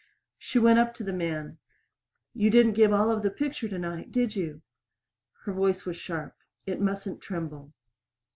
She went up to the man. "You didn't give all of the picture tonight, did you?" Her voice was sharp; it mustn't tremble.